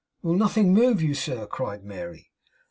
'Will nothing move you, sir?' cried Mary.